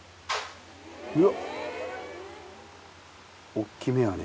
おっきめやね